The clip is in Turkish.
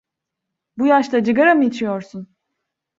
Bu yaşta cıgara mı içiyorsun?